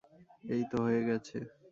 এইতো হয়ে গেছে।